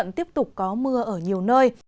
vẫn tiếp tục có mưa ở nhiều nơi